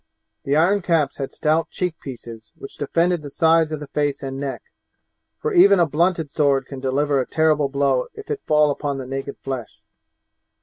The iron caps had stout cheek pieces which defended the sides of the face and neck, for even a blunted sword can deliver a terrible blow if it fall upon the naked flesh.